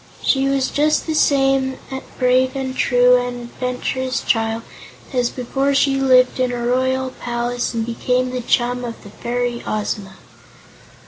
She was just the same brave and true and adventurous child as before she lived in a royal palace and became the chum of the fairy Ozma.